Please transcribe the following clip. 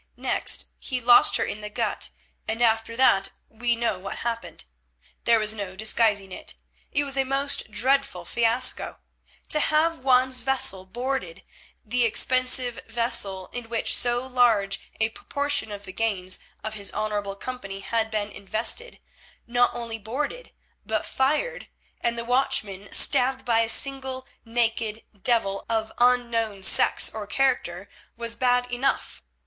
Next he lost her in the gut, and after that we know what happened. There was no disguising it; it was a most dreadful fiasco. To have one's vessel boarded, the expensive vessel in which so large a proportion of the gains of his honourable company had been invested, not only boarded, but fired, and the watchman stabbed by a single naked devil of unknown sex or character was bad enough.